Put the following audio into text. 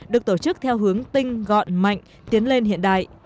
được tổ chức theo hướng tinh gọn mạnh tiến lên hiện đại